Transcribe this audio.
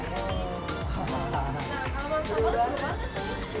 oh kamu mau ke rumah